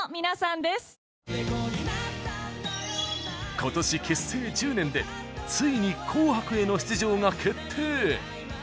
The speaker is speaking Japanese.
今年結成１０年でついに「紅白」への出場が決定！